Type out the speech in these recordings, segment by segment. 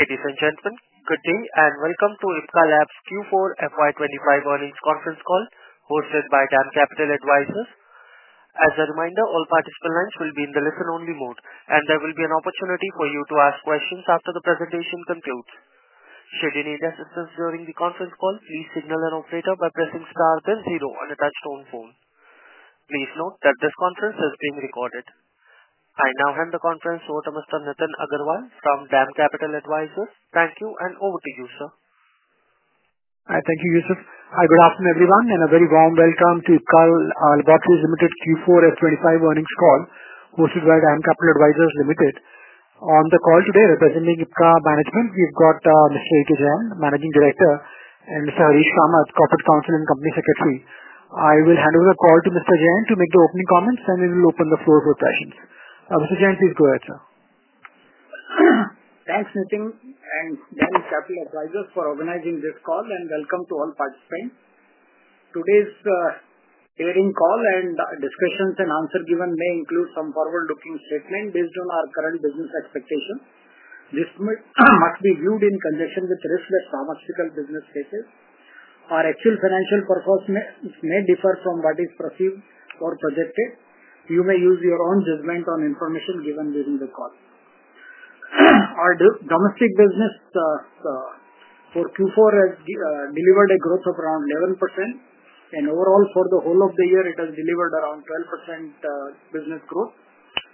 Ladies and gentlemen, good day and welcome to Ipca Laboratories Q4 FY25 Earnings Conference Call, hosted by DAM Capital Advisors. As a reminder, all participant lines will be in the listen-only mode, and there will be an opportunity for you to ask questions after the presentation concludes. Should you need assistance during the conference call, please signal an operator by pressing star then zero on a touch-tone phone. Please note that this conference is being recorded. I now hand the conference over to Mr. Nitin Agarwal from DAM Capital Advisors. Thank you, and over to you, sir. Hi, thank you, Yusuf. Hi, good afternoon, everyone, and a very warm welcome to Ipca Laboratories Ajit Kumar Jain Q4 FY25 earnings call, hosted by DAM Capital Advisors Limited. On the call today, representing Ipca Management, we've got Mr. Ajit Kumar Jain, Managing Director, and Mr. Harish Kamath, Corporate Counsel and Company Secretary. I will hand over the call to Mr. Jain to make the opening comments, and we will open the floor for questions. Mr. Jain, please go ahead, sir. Thanks, Nitin, and DAM Capital Advisors for organizing this call, and welcome to all participants. Today's earnings call and discussions and answers given may include some forward-looking statements based on our current business expectations. This must be viewed in conjunction with riskless pharmaceutical business cases. Our actual financial purpose may differ from what is perceived or projected. You may use your own judgment on information given during the call. Our domestic business for Q4 has delivered a growth of around 11%, and overall for the whole of the year, it has delivered around 12% business growth.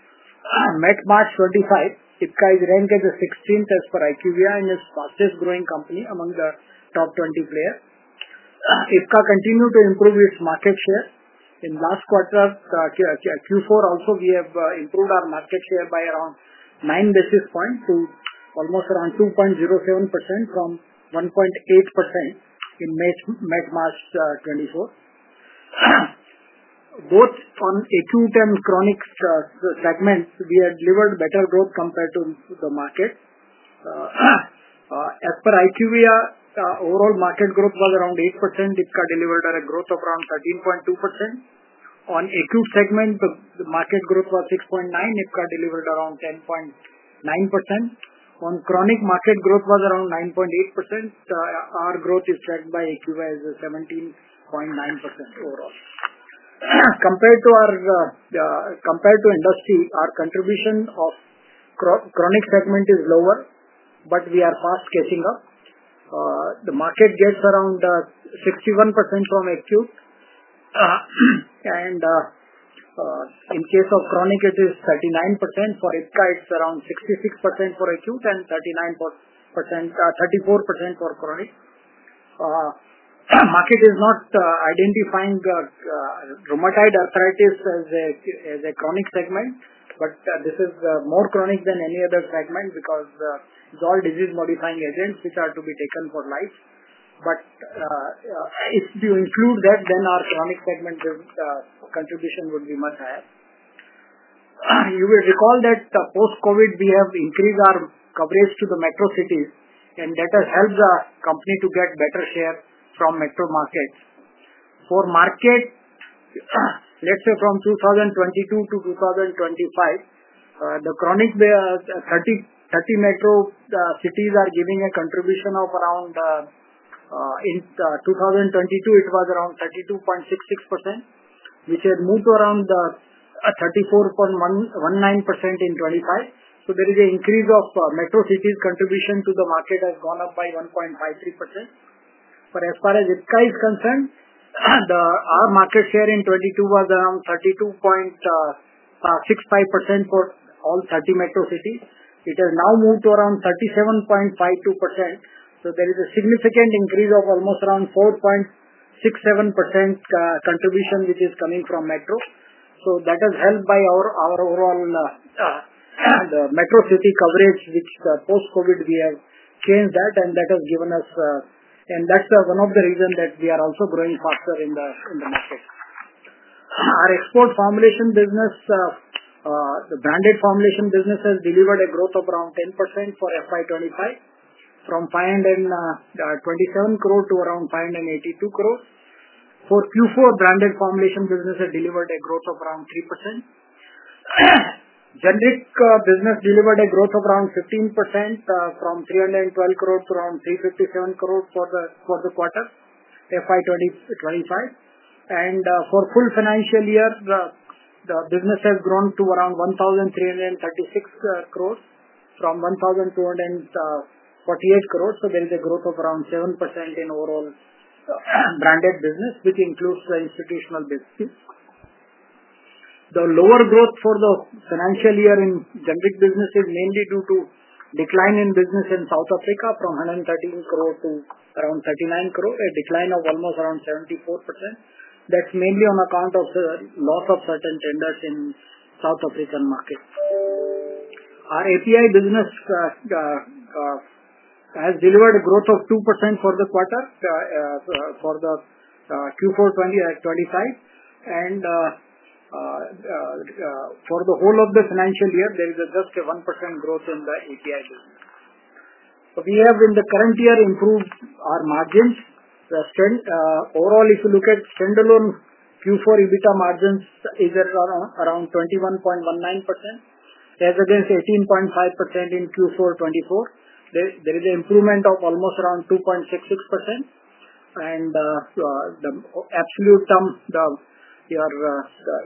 At March 2025, Ipca is ranked as the 16th as per IQVIA and is the fastest growing company among the top 20 players. Ipca continued to improve its market share. In last quarter, Q4 also, we have improved our market share by around nine basis points to almost around 2.07% from 1.8% in March 2024. Both on acute and chronic segments, we have delivered better growth compared to the market. As per IQVIA, overall market growth was around 8%. Ipca delivered a growth of around 13.2%. On acute segment, the market growth was 6.9%. Ipca delivered around 10.9%. On chronic market, growth was around 9.8%. Our growth is tracked by IQVIA as 17.9% overall. Compared to industry, our contribution of chronic segment is lower, but we are fast catching up. The market gets around 61% from acute, and in case of chronic, it is 39%. For Ipca, it is around 66% for acute and 34% for chronic. Market is not identifying rheumatoid arthritis as a chronic segment, but this is more chronic than any other segment because it's all disease-modifying agents which are to be taken for life. If you include that, then our chronic segment contribution would be much higher. You will recall that post-COVID, we have increased our coverage to the metro cities, and that has helped the company to get better share from metro markets. For market, let's say from 2022 to 2025, the chronic 30 metro cities are giving a contribution of around 2022, it was around 32.66%, which has moved to around 34.19% in 2025. There is an increase of metro cities' contribution to the market, has gone up by 1.53%. As far as Ipca is concerned, our market share in 2022 was around 32.65% for all 30 metro cities. It has now moved to around 37.52%. There is a significant increase of almost around 4.67% contribution which is coming from metro. That has helped by our overall metro city coverage, which post-COVID we have changed that, and that has given us, and that's one of the reasons that we are also growing faster in the market. Our export formulation business, the branded formulation business, has delivered a growth of around 10% for FY2025, from 527 crore to around 582 crore. For Q4, branded formulation business has delivered a growth of around 3%. Generic business delivered a growth of around 15% from 312 crore to around 357 crore for the quarter FY2025. For full financial year, the business has grown to around 1,336 crore from 1,248 crore. There is a growth of around 7% in overall branded business, which includes the institutional business. The lower growth for the financial year in generic business is mainly due to decline in business in South Africa from 113 crore to around 39 crore, a decline of almost around 74%. That's mainly on account of loss of certain tenders in South African market. Our API business has delivered a growth of 2% for the quarter for the Q4 2025, and for the whole of the financial year, there is just a 1% growth in the API business. We have, in the current year, improved our margins. Overall, if you look at standalone Q4 EBITDA margins, it is around 21.19%. As against 18.5% in Q4 2024, there is an improvement of almost around 2.66%. In the absolute term, your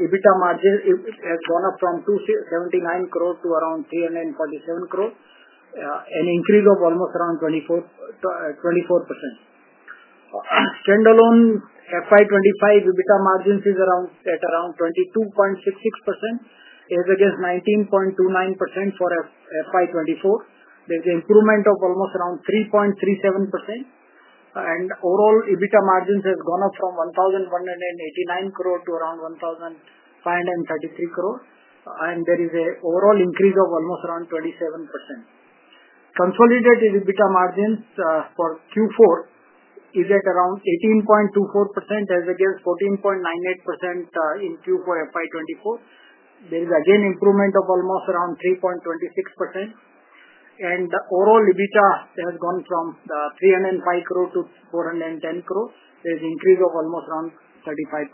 EBITDA margin has gone up from 279 crore to around 347 crore, an increase of almost around 24%. Standalone FY 2025 EBITDA margins is at around 22.66%. As against 19.29% for FY 2024, there is an improvement of almost around 3.37%. Overall, EBITDA margins have gone up from 1,189 crore to around 1,533 crore, and there is an overall increase of almost around 27%. Consolidated EBITDA margins for Q4 is at around 18.24%. As against 14.98% in Q4 FY 2024, there is again an improvement of almost around 3.26%. Overall, EBITDA has gone from 305 crore to 410 crore. There is an increase of almost around 35%.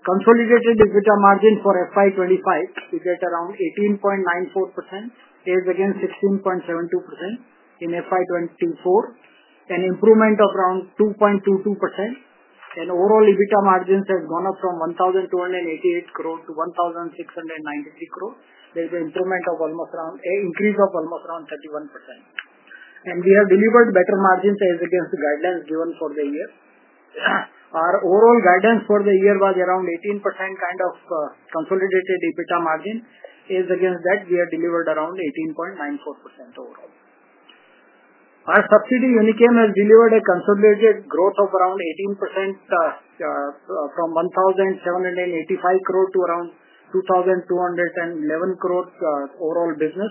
Consolidated EBITDA margin for FY 2025 is at around 18.94%. As against 16.72% in FY 2024, an improvement of around 2.22%. Overall, EBITDA margins have gone up from 1,288 crore to 1,693 crore. There is an increase of almost around 31%. We have delivered better margins as against the guidelines given for the year. Our overall guidance for the year was around 18% kind of consolidated EBITDA margin. As against that, we have delivered around 18.94% overall. Our subsidiary Unichem has delivered a consolidated growth of around 18% from 1,785 crore to around 2,211 crore overall business,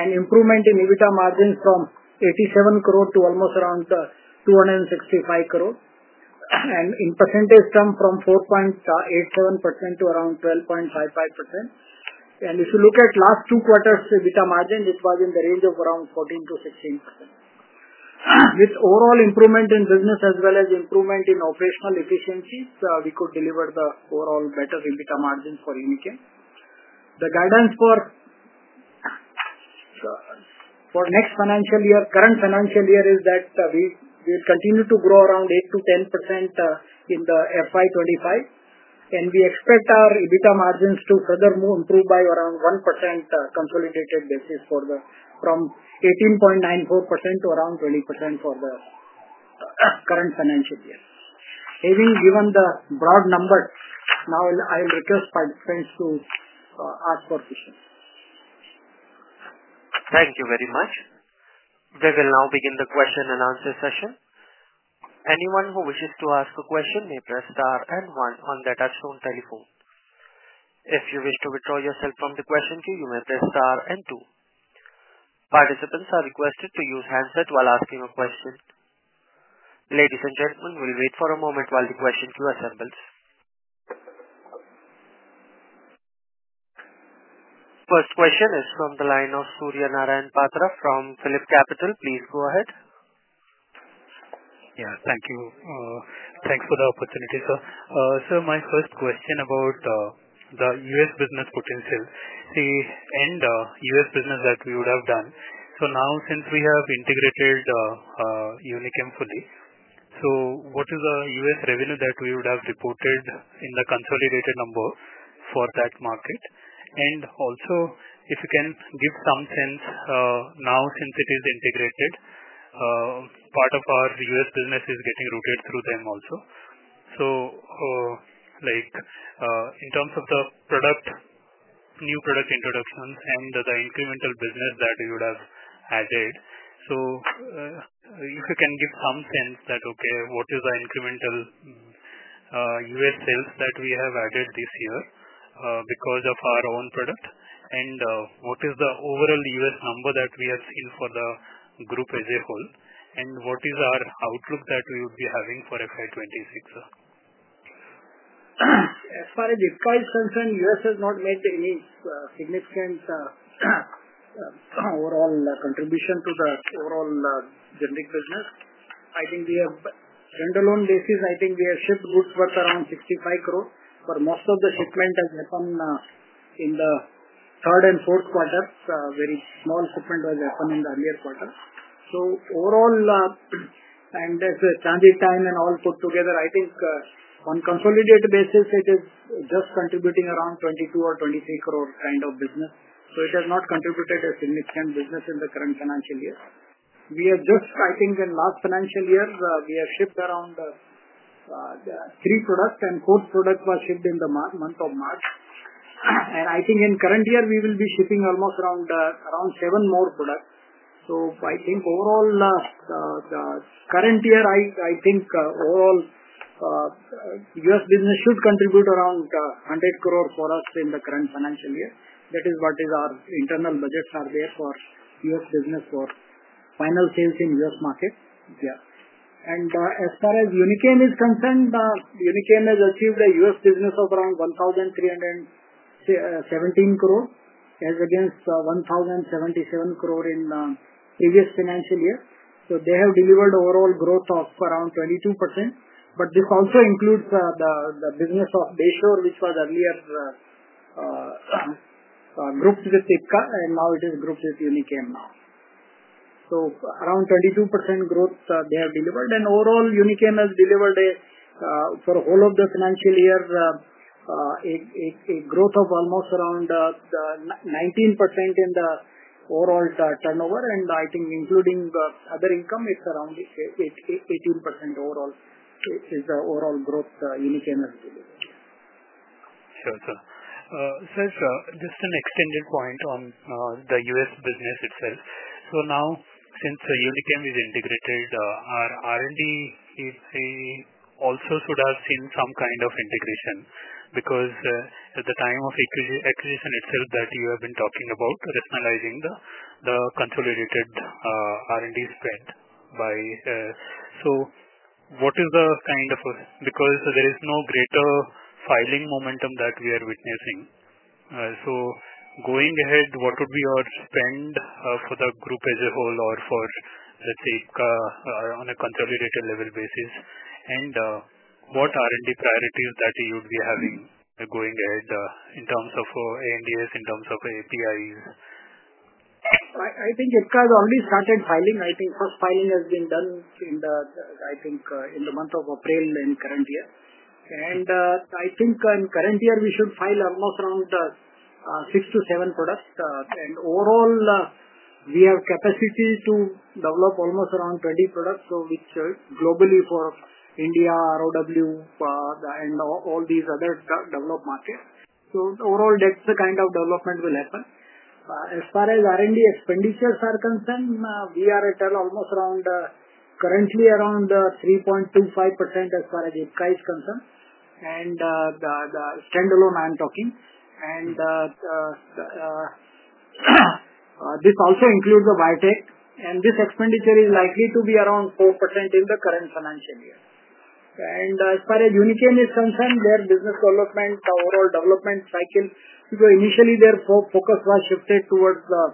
an improvement in EBITDA margin from 87 crore to almost around 265 crore, and in percentage terms from 4.87% to around 12.55%. If you look at last two quarters' EBITDA margin, it was in the range of around 14-16%. With overall improvement in business as well as improvement in operational efficiencies, we could deliver the overall better EBITDA margin for Unichem. The guidance for next financial year, current financial year, is that we will continue to grow around 8-10% in FY 2025, and we expect our EBITDA margins to further improve by around 1% consolidated basis from 18.94% to around 20% for the current financial year. Having given the broad numbers, now I'll request participants to ask for questions. Thank you very much. We will now begin the question and answer session. Anyone who wishes to ask a question may press star and one on the touchstone telephone. If you wish to withdraw yourself from the question queue, you may press star and two. Participants are requested to use handset while asking a question. Ladies and gentlemen, we'll wait for a moment while the question queue assembles. First question is from the line of Surya Narayan Patra from Phillip Capital. Please go ahead. Yeah, thank you. Thanks for the opportunity, sir. Sir, my first question about the U.S. business potential, the U.S. business that we would have done. Now, since we have integrated Unichem fully, what is the U.S. revenue that we would have reported in the consolidated number for that market? Also, if you can give some sense, now since it is integrated, part of our U.S. business is getting routed through them also. In terms of the new product introductions and the incremental business that we would have added, if you can give some sense that, okay, what is the incremental U.S. sales that we have added this year because of our own product? What is the overall U.S. number that we have seen for the group as a whole? What is our outlook that we would be having for FY2026? As far as Ipca is concerned, U.S. has not made any significant overall contribution to the overall generic business. I think we have standalone basis, I think we have shipped goods worth around 65 crore, but most of the shipment has happened in the third and fourth quarters. Very small shipment was happened in the earlier quarter. Overall, and as the transit time and all put together, I think on consolidated basis, it is just contributing around 22-23 crore kind of business. It has not contributed a significant business in the current financial year. We have just, I think, in last financial year, we have shipped around three products, and fourth product was shipped in the month of March. I think in current year, we will be shipping almost around seven more products. I think overall, the current year, I think overall U.S. business should contribute around 100 crore for us in the current financial year. That is what our internal budgets are there for U.S. business for final sales in U.S. market. Yeah. As far as Unichem is concerned, Unichem has achieved a U.S. business of around 1,317 crore as against 1,077 crore in the previous financial year. They have delivered overall growth of around 22%. This also includes the business of Bayshore, which was earlier grouped with Ipca, and now it is grouped with Unichem now. Around 22% growth they have delivered. Overall, Unichem has delivered for the whole of the financial year a growth of almost around 19% in the overall turnover. Including other income, it is around 18% overall is the overall growth Unichem has delivered. Sure, sir. Sir, just an extended point on the U.S. business itself. Now, since Unichem is integrated, our R&D, it also should have seen some kind of integration because at the time of acquisition itself that you have been talking about, rationalizing the consolidated R&D spend by. What is the kind of, because there is no greater filing momentum that we are witnessing. Going ahead, what would be your spend for the group as a whole or for, let's say, Ipca on a consolidated level basis? What R&D priorities would you be having going ahead in terms of ANDAs, in terms of APIs? I think Ipca has already started filing. I think first filing has been done in the, I think, in the month of April in current year. I think in current year, we should file almost around six to seven products. Overall, we have capacity to develop almost around 20 products, which globally for India, ROW, and all these other developed markets. Overall, that is the kind of development will happen. As far as R&D expenditures are concerned, we are at almost around currently around 3.25% as far as Ipca is concerned. The standalone, I am talking. This also includes the biotech. This expenditure is likely to be around 4% in the current financial year. As far as Unichem is concerned, their business development, overall development cycle, initially their focus was shifted towards the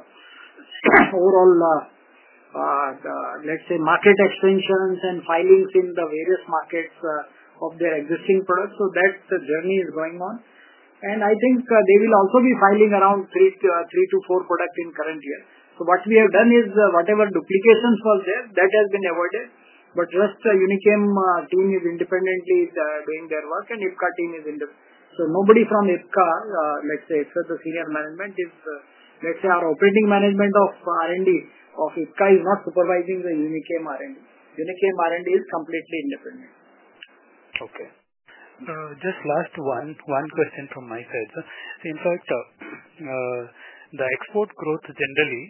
overall, let's say, market extensions and filings in the various markets of their existing products. That journey is going on. I think they will also be filing around three to four products in the current year. What we have done is whatever duplications were there, that has been avoided. The Unichem team is independently doing their work, and Ipca team is in the. Nobody from Ipca, let's say, except the senior management, is, let's say, our operating management of R&D of Ipca is not supervising the Unichem R&D. Unichem R&D is completely independent. Okay. Just last one, one question from my side. In fact, the export growth generally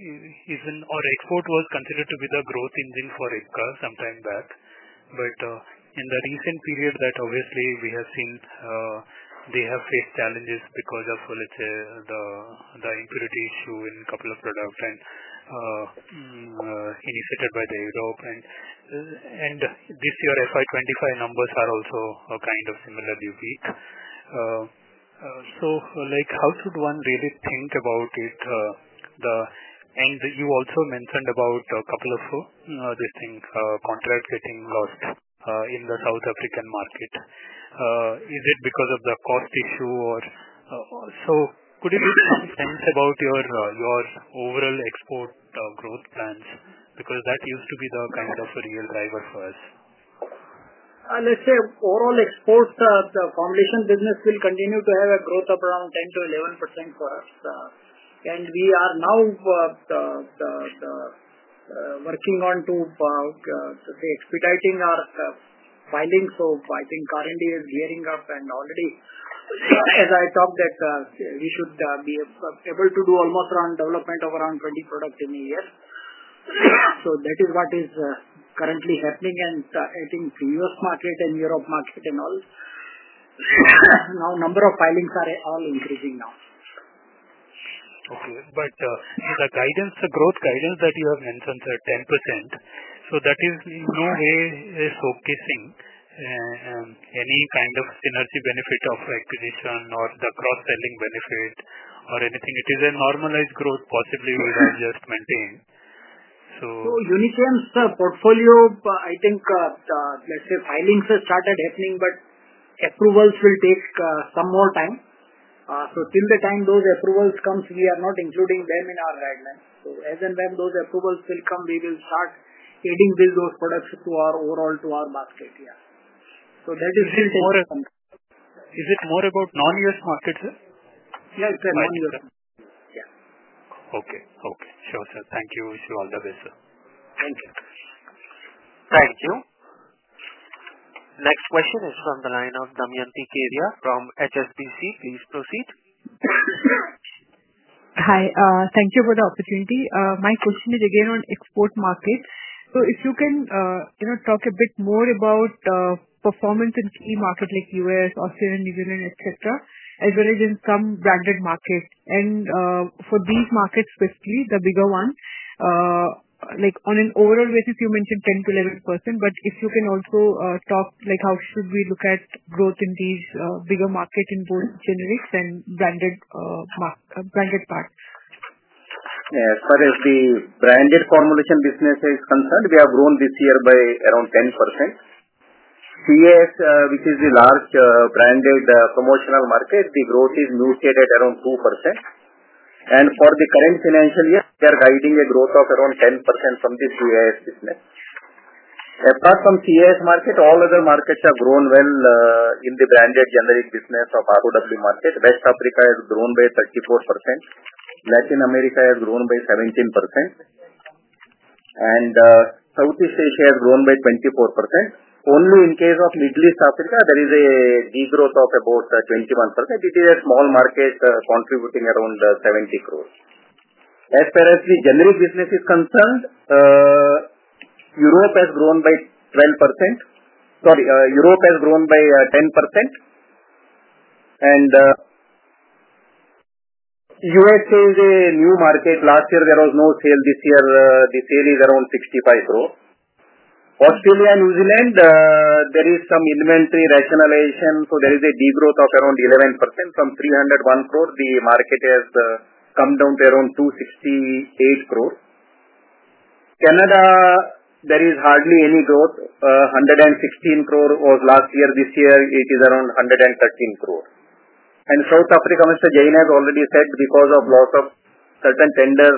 is in or export was considered to be the growth engine for Ipca some time back. In the recent period, that obviously we have seen they have faced challenges because of, let's say, the impurity issue in a couple of products and initiated by Europe. This year, FY2025 numbers are also kind of similarly weak. How should one really think about it? You also mentioned about a couple of, I think, contracts getting lost in the South African market. Is it because of the cost issue or? Could you give some sense about your overall export growth plans? That used to be the kind of a real driver for us. Let's say overall exports, the formulation business will continue to have a growth of around 10-11% for us. We are now working on to, let's say, expediting our filing. I think R&D is gearing up and already, as I talked, that we should be able to do almost around development of around 20 products in a year. That is what is currently happening. I think U.S. market and Europe market and all, now number of filings are all increasing now. Okay. The growth guidance that you have mentioned, sir, 10%, that is in no way showcasing any kind of synergy benefit of acquisition or the cross-selling benefit or anything. It is a normalized growth possibly we have just maintained. Unichem's portfolio, I think, let's say filings have started happening, but approvals will take some more time. Till the time those approvals come, we are not including them in our guidelines. As and when those approvals will come, we will start adding those products overall to our basket. Yeah. That is still taking some time. Is it more about non-U.S. markets, sir? Yeah, it's a non-U.S. market. Yeah. Okay. Okay. Sure, sir. Thank you. Wish you all the best, sir. Thank you. Thank you. Next question is from the line of Damayanti Kerai from HSBC. Please proceed. Hi. Thank you for the opportunity. My question is again on export market. If you can talk a bit more about performance in key markets like U.S., Australia, New Zealand, etc., as well as in some branded markets. For these markets specifically, the bigger one, on an overall basis, you mentioned 10-11%. If you can also talk how should we look at growth in these bigger markets in both generics and branded parts? Yeah. As far as the branded formulation business is concerned, we have grown this year by around 10%. CAS, which is the large branded promotional market, the growth is muted at around 2%. For the current financial year, we are guiding a growth of around 10% from the CAS business. Apart from the CAS market, all other markets have grown well in the branded generic business of the ROW market. West Africa has grown by 34%. Latin America has grown by 17%. Southeast Asia has grown by 24%. Only in the case of Middle East Africa, there is a degrowth of about 21%. It is a small market contributing around 70 crore. As far as the generic business is concerned, Europe has grown by 10%. USA is a new market. Last year, there was no sale. This year, the sale is around 65 crore. Australia and New Zealand, there is some inventory rationalization. There is a degrowth of around 11%. From 301 crore, the market has come down to around 268 crore. Canada, there is hardly any growth. 116 crore was last year. This year, it is around 113 crore. South Africa, Mr. Jain has already said because of loss of certain tender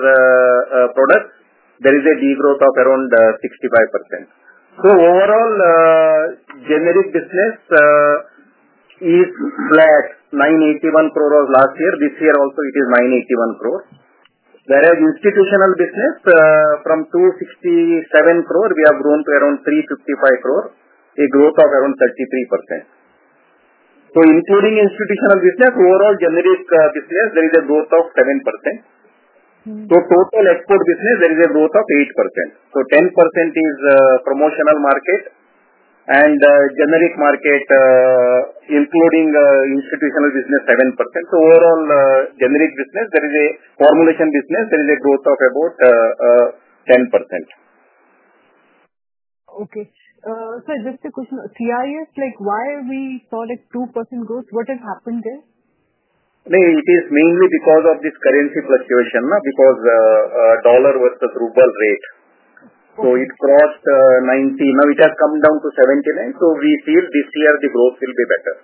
products, there is a degrowth of around 65%. Overall, generic business is flat. 981 crore was last year. This year also, it is 981 crore. Whereas institutional business, from 267 crore, we have grown to around 355 crore, a growth of around 33%. Including institutional business, overall generic business, there is a growth of 7%. Total export business, there is a growth of 8%. 10% is promotional market. Generic market, including institutional business, 7%. Overall generic business, there is a formulation business, there is a growth of about 10%. Okay. Sir, just a question. CIS, why we saw like 2% growth? What has happened there? No, it is mainly because of this currency fluctuation. Because dollar versus ruble rate. It crossed 90. Now it has come down to 79. We feel this year the growth will be better.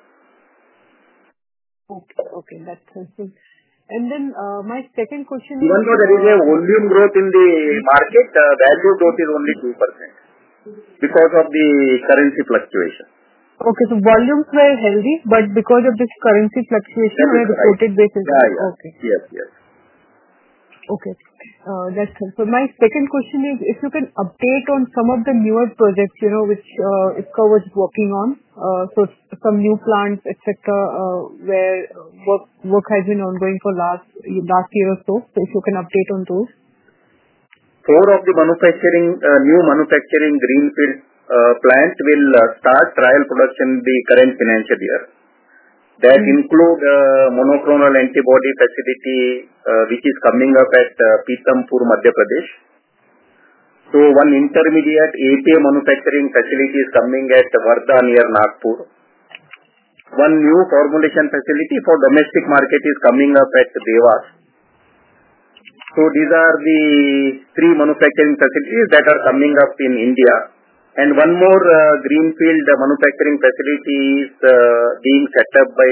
Okay. Okay. That's sensible. Then my second question is. Even though there is a volume growth in the market, value growth is only 2% because of the currency fluctuation. Okay. So volumes were heavy, but because of this currency fluctuation on a reported basis. Yeah. Yes. Okay. Okay. That's helpful. My second question is, if you can update on some of the newer projects which Ipca was working on. Some new plants, etc., where work has been ongoing for the last year or so. If you can update on those. Four of the new manufacturing greenfield plants will start trial production in the current financial year. That includes monoclonal antibody facility, which is coming up at Pithampur, Madhya Pradesh. One intermediate API manufacturing facility is coming at Wardha, near Nagpur. One new formulation facility for domestic market is coming up at Devas. These are the three manufacturing facilities that are coming up in India. One more greenfield manufacturing facility is being set up by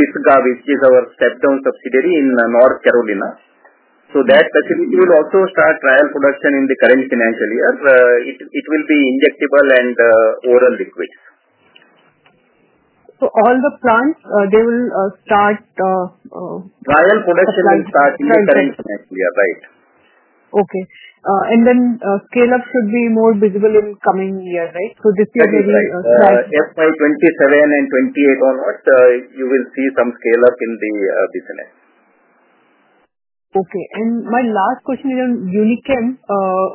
our step-down subsidiary in North Carolina. That facility will also start trial production in the current financial year. It will be injectable and oral liquids. All the plants, they will start. Trial production will start in the current financial year. Right. Okay. And then scale-up should be more visible in coming year. Right? This year maybe slight. FY27 and 28 onwards, you will see some scale-up in the business. Okay. My last question is on Unichem.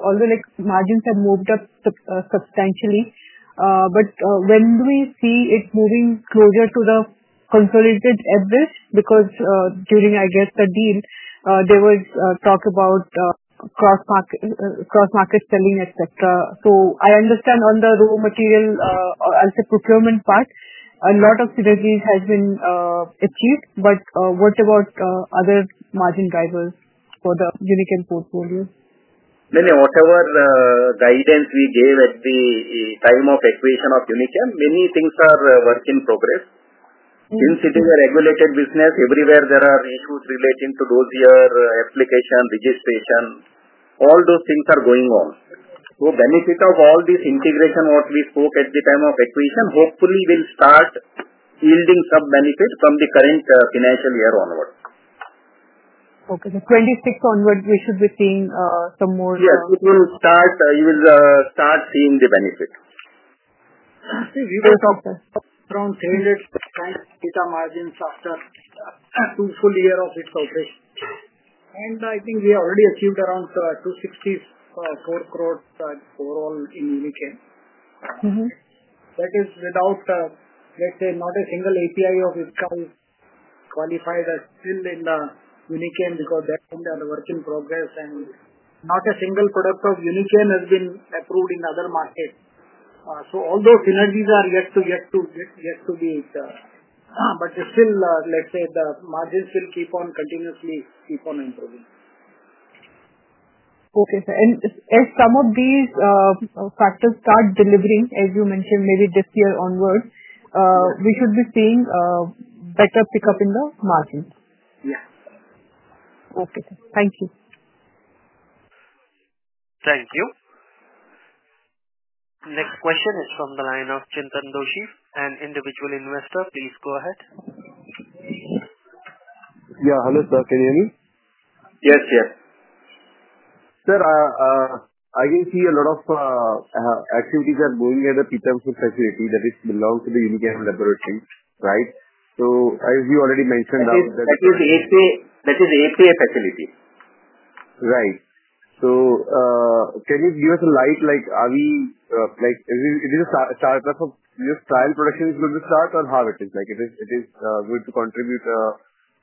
Although margins have moved up substantially, when do we see it moving closer to the consolidated average? Because during, I guess, the deal, there was talk about cross-market selling, etc. I understand on the raw material, I will say procurement part, a lot of synergies have been achieved. What about other margin drivers for the Unichem portfolio? No, no. Whatever guidance we gave at the time of acquisition of Unichem, many things are work in progress. Since it is a regulated business, everywhere there are issues relating to dossier, application, registration. All those things are going on. So benefit of all this integration, what we spoke at the time of acquisition, hopefully will start yielding some benefit from the current financial year onwards. Okay. So 2026 onwards, we should be seeing some more. Yes. It will start. You will start seeing the benefit. Okay. We will talk. Around 300% EBITDA margins after two full years of its operation. I think we already achieved around 264 crore overall in Unichem. That is without, let's say, not a single API of Ipca is qualified as still in Unichem because that one they are work in progress. Not a single product of Unichem has been approved in other markets. All those synergies are yet to be it. Still, let's say the margins will keep on continuously keep on improving. Okay. As some of these factors start delivering, as you mentioned, maybe this year onwards, we should be seeing better pickup in the margins. Yeah. Okay. Thank you. Thank you. Next question is from the line of Chintan Doshi, an individual investor. Please go ahead. Yeah. Hello, sir. Can you hear me? Yes. Yes. Sir, I can see a lot of activities are going at the Pithampur facility that belongs to the Unichem Laboratories. Right? So as you already mentioned. That is API facility. Right. So can you give us a light? Are we, it is a startup of just trial production is going to start or how it is? Is it going to contribute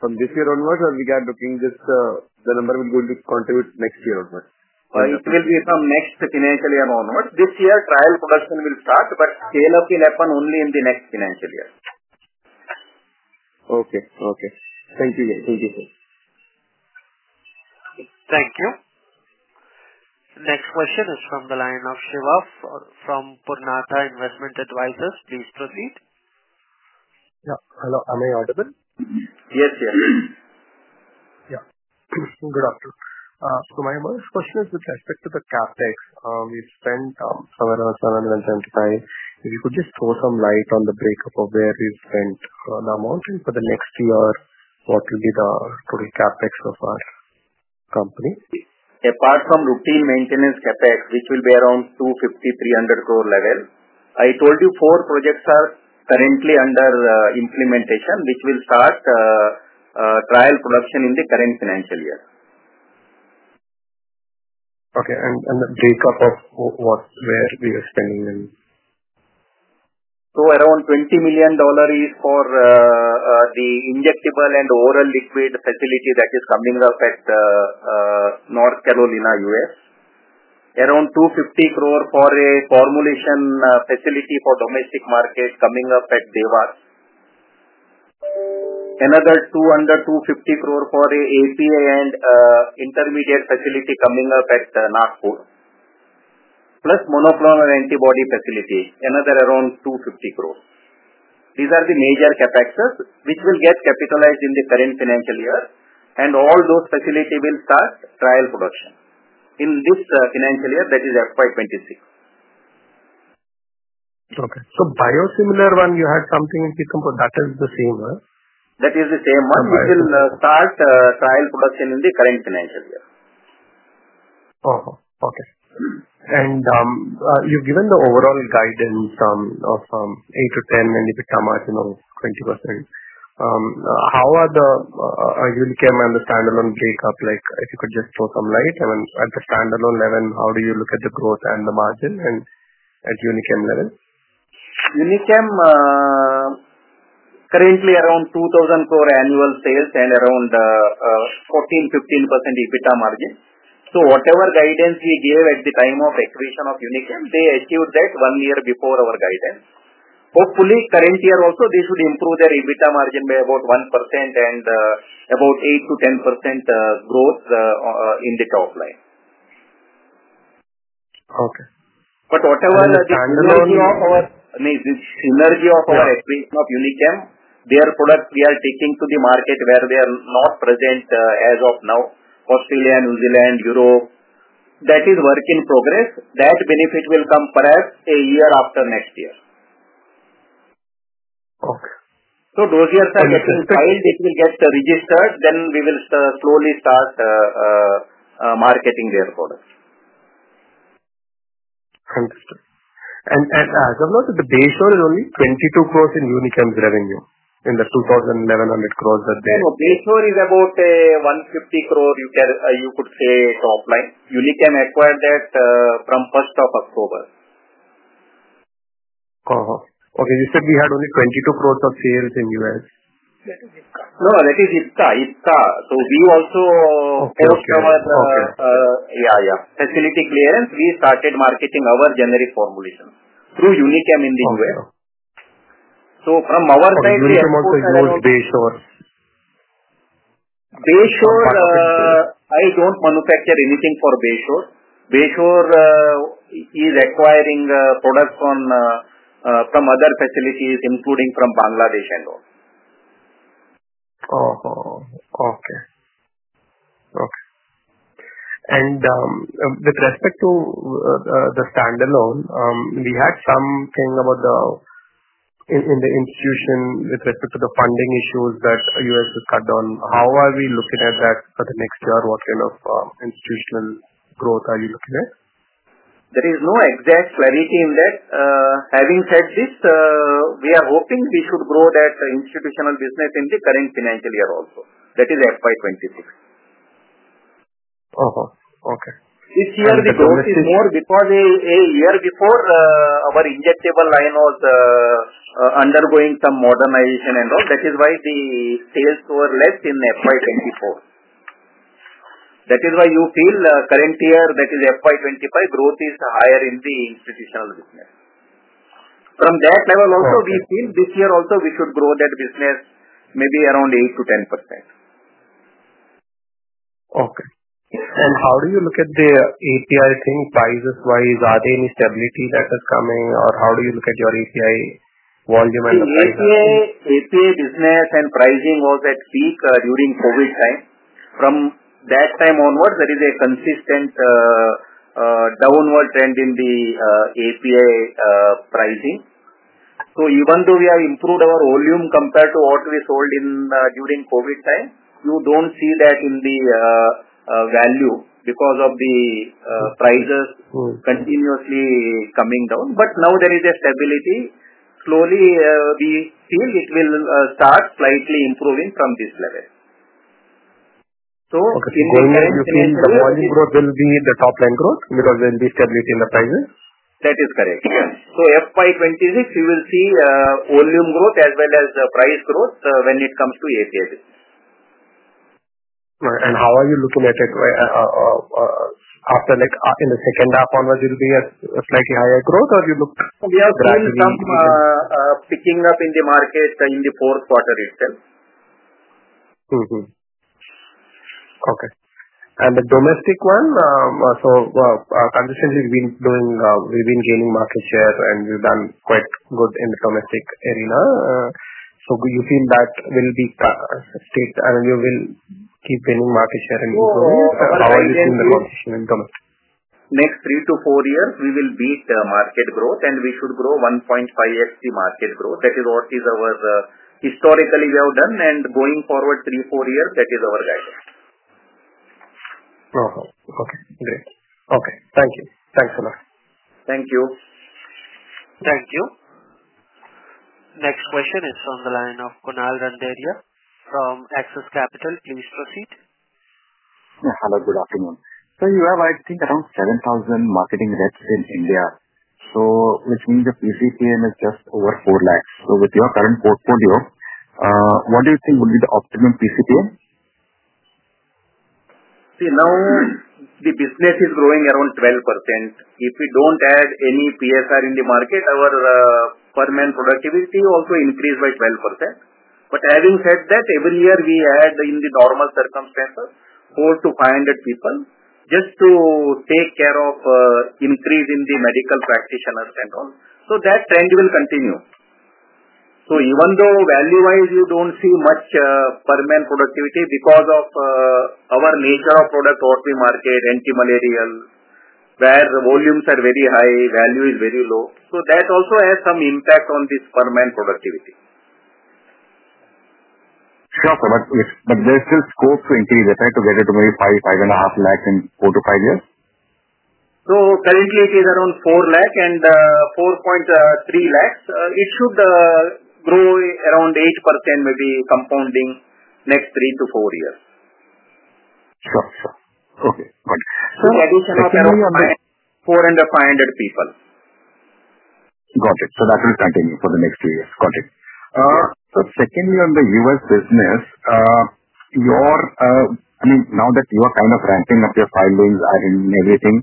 from this year onwards or are we looking just the number will go to contribute next year onwards? It will be from next financial year onwards. This year, trial production will start, but scale-up will happen only in the next financial year. Okay. Okay. Thank you. Thank you, sir. Thank you. Next question is from the line of Shivath from Purnatha Investment Advisors. Please proceed. Yeah. Hello. Am I audible? Yes. Yes. Yeah. Good afternoon. My first question is with respect to the CapEx. We've spent somewhere around 725 crore. If you could just throw some light on the breakup of where we've spent the amount for the next year, what will be the total CapEx of our company? Apart from routine maintenance CapEx, which will be around 250 crore-300 crore level, I told you four projects are currently under implementation, which will start trial production in the current financial year. Okay. The breakup of where we are spending then? Around $20 million is for the injectable and oral liquid facility that is coming up at North Carolina, U.S.. Around 250 crore for a formulation facility for the domestic market coming up at Devas. Another 200-250 crore for an API and intermediate facility coming up at Nagpur. Plus monoclonal antibody facility, another around 250 crore. These are the major CapExes which will get capitalized in the current financial year. All those facilities will start trial production in this financial year. That is FY 2026. Okay. So biosimilar one, you had something in Pithampur. That is the same one? That is the same one. It will start trial production in the current financial year. Okay. Okay. You have given the overall guidance of 8-10% and EBITDA margin of 20%. How are the Unichem and the standalone breakup? If you could just throw some light. At the standalone level, how do you look at the growth and the margin at Unichem level? Unichem currently around 2,000 crore annual sales and around 14-15% EBITDA margin. So whatever guidance we gave at the time of acquisition of Unichem, they achieved that one year before our guidance. Hopefully, current year also, they should improve their EBITDA margin by about 1% and about 8-10% growth in the top line. Okay. Whatever the synergy of our acquisition of Unichem, their products we are taking to the market where they are not present as of now, Australia, New Zealand, Europe. That is work in progress. That benefit will come perhaps a year after next year. Okay. Those years are getting filed. It will get registered. Then we will slowly start marketing their products. Understood. I've noticed that Bayshore is only 22 crore in Unichem's revenue in the 2,100 crore that they. No, no. Bayshore is about 150 crore, you could say, top line. Unichem acquired that from 1st of October.Okay. You said we had only 22 crore of sales in the U.S. No. That is Ipca. Ipca. We also, post our facility clearance, started marketing our generic formulation through Unichem in the U.S. Where does it mostly grow, Bayshore? Bayshore, I don't manufacture anything for Bayshore. Bayshore is acquiring products from other facilities, including from Bangladesh and all. Okay. Okay. With respect to the standalone, we had something about the institution with respect to the funding issues that the U.S. has cut down. How are we looking at that for the next year? What kind of institutional growth are you looking at? There is no exact clarity in that. Having said this, we are hoping we should grow that institutional business in the current financial year also. That is FY 2026. Okay. Okay. This year, the growth is more because a year before, our injectable line was undergoing some modernization and all. That is why the sales were less in FY 2024. That is why you feel current year, that is FY 2025, growth is higher in the institutional business. From that level also, we feel this year also we should grow that business maybe around 8-10%. Okay. How do you look at the API thing? Prices-wise, is there any stability that is coming? How do you look at your API volume and the price? API business and pricing was at peak during COVID time. From that time onwards, there is a consistent downward trend in the API pricing. Even though we have improved our volume compared to what we sold during COVID time, you do not see that in the value because of the prices continuously coming down. Now there is a stability. Slowly, we feel it will start slightly improving from this level. Okay. So in this case, you feel the volume growth will be the top line growth because there will be stability in the prices? That is correct. FY 2026, you will see volume growth as well as price growth when it comes to API business. Right. How are you looking at it? After, in the second half onwards, it will be a slightly higher growth, or you look? We are seeing some picking up in the market in the fourth quarter itself. Okay. The domestic one, so consistently, we've been gaining market share, and we've done quite good in the domestic arena. You feel that will be stayed, and you will keep gaining market share and improving? How are you seeing the conversation in domestic? Next three to four years, we will beat market growth, and we should grow 1.5x the market growth. That is what is our historically we have done. Going forward three to four years, that is our guidance. Okay. Great. Okay. Thank you. Thanks a lot. Thank you. Thank you. Next question is from the line of Kunal Randeria from Axis Capital. Please proceed. Hello. Good afternoon. So you have, I think, around 7,000 marketing reps in India. So which means your PCPM is just over 400,000. So with your current portfolio, what do you think would be the optimum PCPM? See, now the business is growing around 12%. If we do not add any PSR in the market, our per man productivity also increased by 12%. However, every year we add in the normal circumstances 400-500 people just to take care of increase in the medical practitioners and all. That trend will continue. Even though value-wise, you do not see much per man productivity because of our nature of product, what we market, anti-malarial, where volumes are very high, value is very low. That also has some impact on this per man productivity. Sure. There is still scope to increase it, right, to get it to maybe INR 500,000-INR 550,000 in four to five years? Currently, it is around 400,000 and 430,000. It should grow around 8% maybe compounding next three to four years. Sure. Sure. Okay. Got it. In addition of around 400-500 people. Got it. That will continue for the next few years. Got it. Secondly, on the U.S. business, I mean, now that you are kind of ramping up your filings and everything,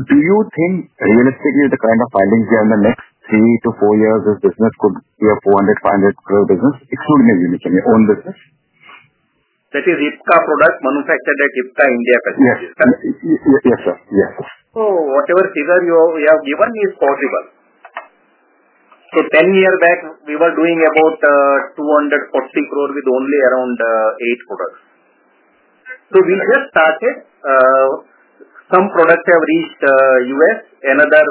do you think realistically the kind of filings here in the next three to four years this business could be a 400 crore-500 crore business, excluding the Unichem, your own business? That is Ipca product manufactured at Ipca India facilities. Yes, sir. Yes. Whatever figure you have given me is possible. Ten years back, we were doing about 240 crore with only around eight products. We just started. Some products have reached the U.S. Another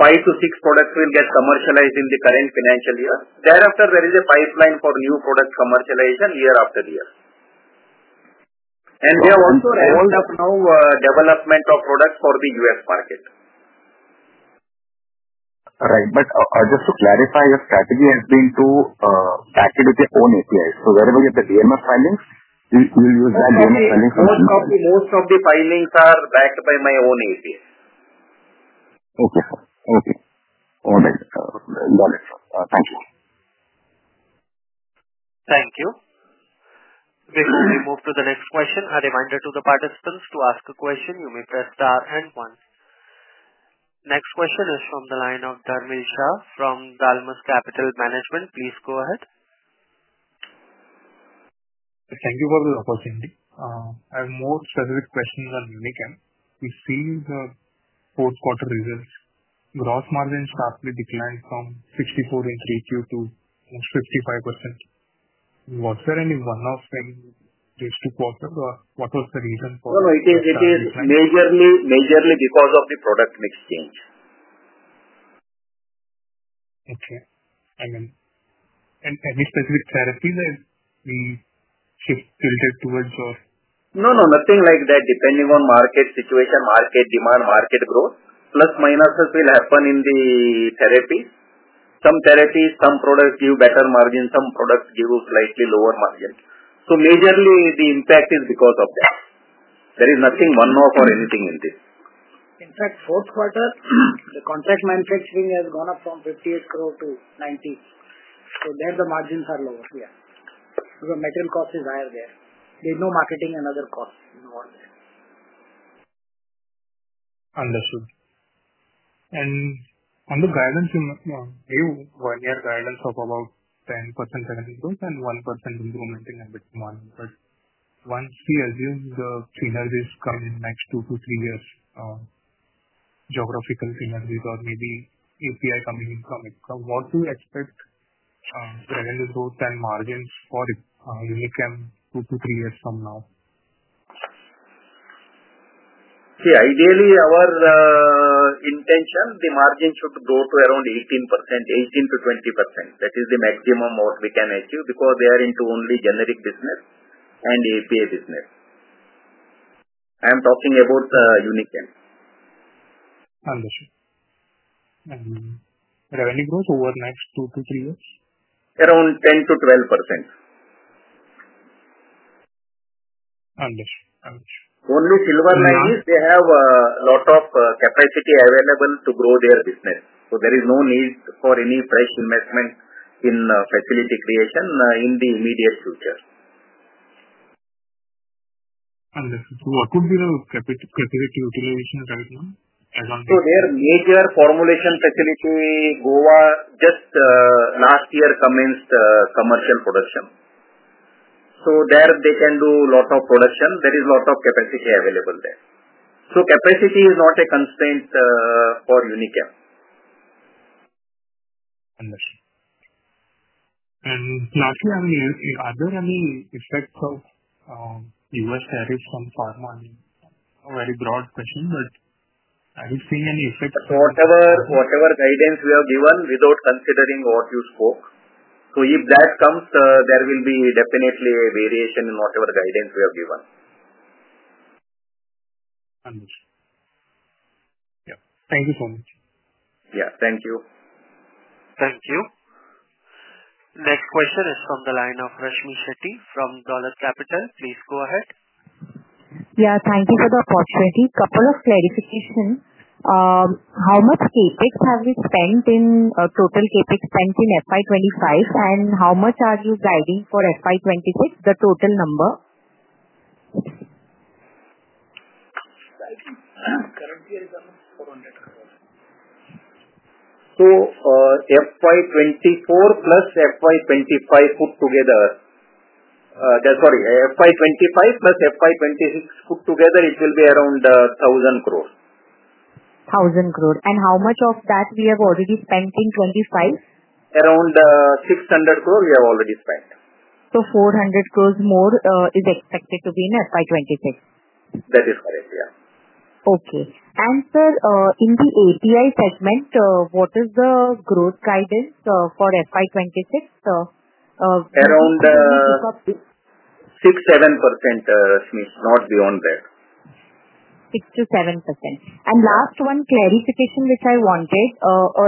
five to six products will get commercialized in the current financial year. Thereafter, there is a pipeline for new product commercialization year after year. We have also ramped up now development of products for the U.S. market. Right. Just to clarify, your strategy has been to back it with your own APIs. Wherever you have the DMF filings, you use that DMF filings? Most of the filings are backed by my own API. Okay, sir. Okay. All right. Got it, sir. Thank you. Thank you. Before we move to the next question, a reminder to the participants to ask a question. You may press star and one. Next question is from the line of Dharmil Shah from Dalmus Capital Management. Please go ahead. Thank you for the opportunity. I have more specific questions on Unichem. We see the fourth quarter results. Gross margin sharply declined from 64% in 3Q to almost 55%. Was there any one-off thing in these two quarters, or what was the reason for? No, no. It is majorly because of the product mix change. Okay. Any specific therapies that we should tilt it towards? No, no. Nothing like that. Depending on market situation, market demand, market growth, plus minuses will happen in the therapies. Some therapies, some products give better margin, some products give slightly lower margin. Majorly, the impact is because of that. There is nothing one-off or anything in this. In fact, fourth quarter, the contract manufacturing has gone up from 58 crore to 90 crore. So there, the margins are lower. Yeah. The metal cost is higher there. There is no marketing and other costs involved there. Understood. On the guidance, you have one-year guidance of about 10% increase and 1% improvement in EBITDA. Once we assume the synergies come in the next two to three years, geographical synergies or maybe API coming in from Ipca, what do you expect revenue growth and margins for Unichem two to three years from now? See, ideally, our intention, the margin should grow to around 18%, 18-20%. That is the maximum what we can achieve because they are into only generic business and API business. I am talking about Unichem. Understood. Revenue growth over next two to three years? Around 10-12%. Understood. Understood. Only silver lining is they have a lot of capacity available to grow their business. There is no need for any fresh investment in facility creation in the immediate future. Understood. So what would be the facility utilization right now as on the? Their major formulation facility, Goa, just last year commenced commercial production. There, they can do a lot of production. There is a lot of capacity available there. Capacity is not a constraint for Unichem. Understood. Lastly, are there any effects of U.S. tariffs on pharma? Very broad question, but are you seeing any effects? Whatever guidance we have given without considering what you spoke. If that comes, there will be definitely a variation in whatever guidance we have given. Understood. Yeah. Thank you so much. Yeah. Thank you. Thank you. Next question is from the line of Rashmmi Shetty from Dol Capital. Please go ahead. Yeah. Thank you for the opportunity. Couple of clarifications. How much CapEx have we spent in total CapEx spent in FY 2025, and how much are you guiding for FY 2026, the total number? Currently, it's around INR 400 crore. FY 2024 plus FY 2025 put together, sorry, FY 2025 plus FY 2026 put together, it will be around 1,000 crore. 1,000 crore. And how much of that we have already spent in 2025? Around 600 crore we have already spent. 400 crore more is expected to be in FY 2026? That is correct. Yeah. Okay. Sir, in the API segment, what is the growth guidance for FY 2026? Around 6%-7%, Rashmmi. Not beyond that. 6% to 7%. Last one clarification which I wanted.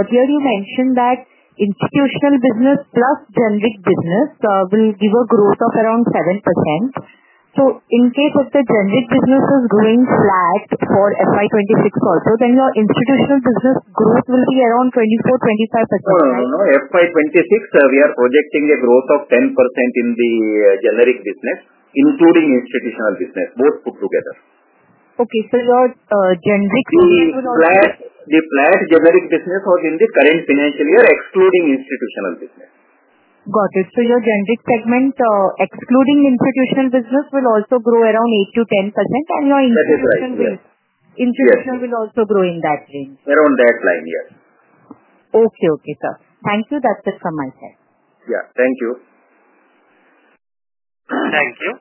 Earlier, you mentioned that institutional business plus generic business will give a growth of around 7%. In case if the generic business is growing flat for FY 2026 also, then your institutional business growth will be around 24%-25%? No, no, no. FY 2026, we are projecting a growth of 10% in the generic business, including institutional business, both put together. Okay. So your generic business will also? The flat generic business was in the current financial year, excluding institutional business. Got it. So your generic segment, excluding institutional business, will also grow around 8%-10%, and your institutional will also grow in that range. Around that line. Yes. Okay. Okay, sir. Thank you. That's it from my side. Yeah. Thank you. Thank you.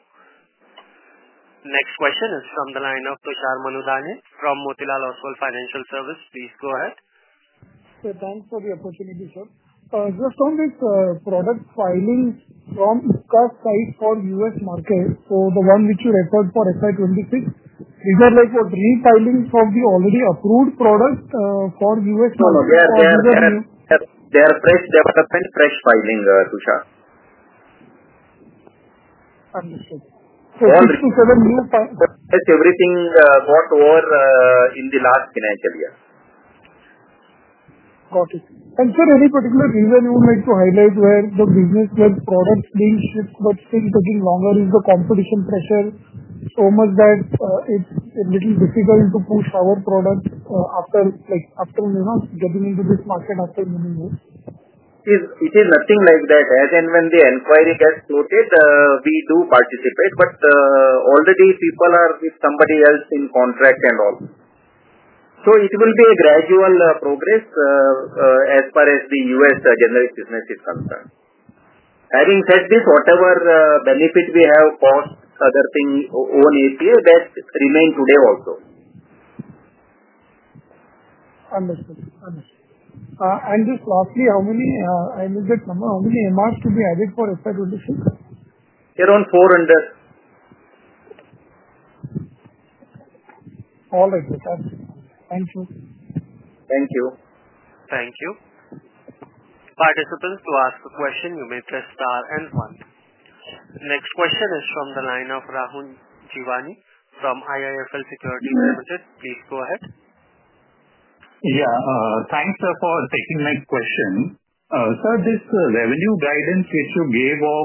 Next question is from the line of Tushar Manudhane from Motilal Oswal Financial Services. Please go ahead. Thanks for the opportunity, sir. Just on this product filings from Ipca site for U.S. market, the one which you referred for FY 2026, these are like what, refilings of the already approved product for U.S. market? No, no. They are fresh development, fresh filing, Tusha. Understood. So 6 to 7 new. Everything got over in the last financial year. Got it. Sir, any particular reason you would like to highlight where the business, where products being shipped but still taking longer? Is the competition pressure so much that it's a little difficult to push our product after getting into this market after many years? It is nothing like that. As and when the inquiry gets noted, we do participate, but already people are with somebody else in contract and all. It will be a gradual progress as far as the U.S. generic business is concerned. Having said this, whatever benefit we have, cost, other thing, own API, that remains today also. Understood. Understood. And just lastly, how many, I missed that number, how many MRs to be added for FY 2026? Around 400. All right. Thank you. Thank you. Thank you. Thank you. Participants, to ask a question, you may press star and one. Next question is from the line of Rahul Jeewani from IIFL Securities. Please go ahead. Yeah. Thanks for taking my question. Sir, this revenue guidance which you gave of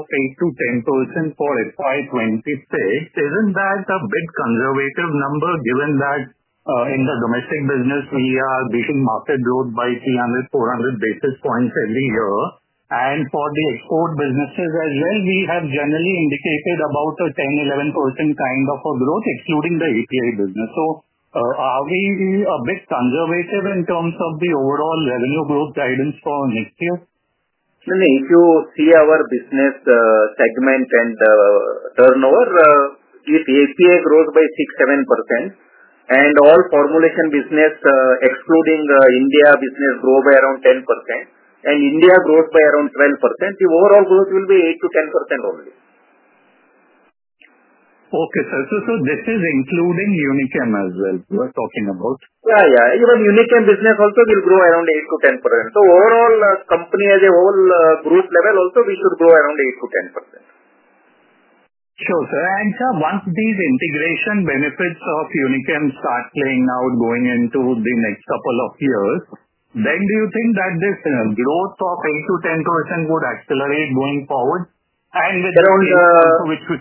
8%-10% for FY 2026, isn't that a bit conservative number given that in the domestic business, we are beating market growth by 300, 400 basis points every year? And for the export businesses as well, we have generally indicated about a 10%, 11% kind of a growth, excluding the API business. So are we a bit conservative in terms of the overall revenue growth guidance for next year? No, no. If you see our business segment and turnover, if API grows by 6%, 7%, and all formulation business, excluding India business, grow by around 10%, and India grows by around 12%, the overall growth will be 8%-10% only. Okay, sir. So this is including Unichem as well you are talking about? Yeah. Yeah. Even Unichem business also will grow around 8%-10%. So overall, company as a whole, group level also, we should grow around 8%-10%. Sure, sir. And sir, once these integration benefits of Unichem start playing out going into the next couple of years, then do you think that this growth of 8%-10% would accelerate going forward? And with. Around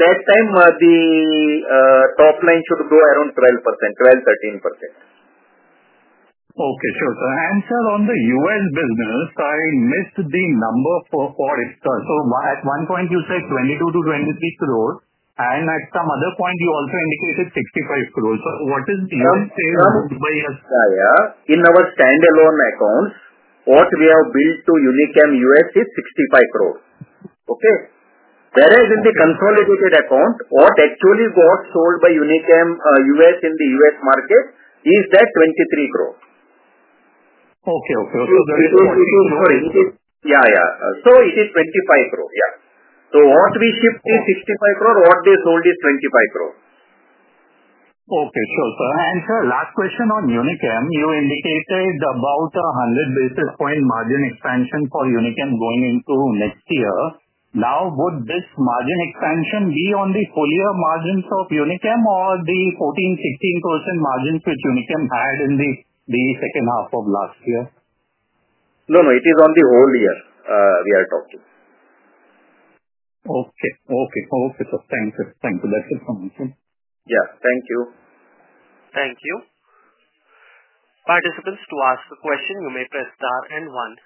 that time, the top line should grow around 12%, 12%, 13%. Okay. Sure, sir. And sir, on the U.S. business, I missed the number for Ipca. At one point, you said 22 crore-23 crore, and at some other point, you also indicated 65 crore. What is the U.S. sales sold by? Yeah. Yeah. In our standalone accounts, what we have billed to Unichem U.S. Okay. Okay. So there is 23%. Yeah. Yeah. So it is 25% crore. Yeah. So what we shipped is 65 crore. What they sold is 25 crore. Okay. Sure, sir. And sir, last question on Unichem. You indicated about 100 basis point margin expansion for Unichem going into next year. Now, would this margin expansion be on the full year margins of Unichem or the 14%-16% margins which Unichem had in the second half of last year? No, no. It is on the whole year we are talking. Okay. Okay. Okay, sir. Thank you. Thank you. That's it from my side. Yeah. Thank you. Thank you. Participants, to ask a question, you may press star and one.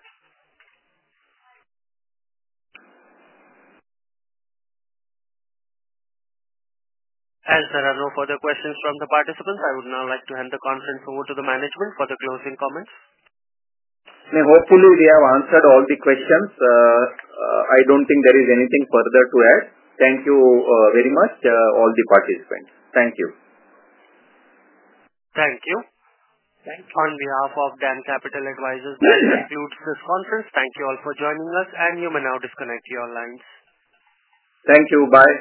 As there are no further questions from the participants, I would now like to hand the conference over to the management for the closing comments. Hopefully, we have answered all the questions. I do not think there is anything further to add. Thank you very much, all the participants. Thank you. Thank you. Thank you. On behalf of DAM Capital Advisors, that concludes this conference. Thank you all for joining us, and you may now disconnect your lines. Thank you. Bye.